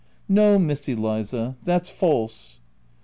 " No, Miss Eliza ! that's false."